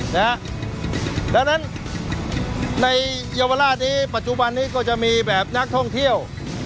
ดังนั้นในเยาวราชนี้ปัจจุบันนี้ก็จะมีแบบนักท่องเที่ยว